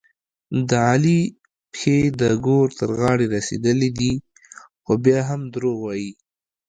د علي پښې د ګور تر غاړې رسېدلې دي، خو بیا هم دروغ وايي.